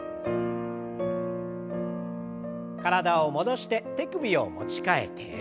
体を戻して手首を持ち替えて。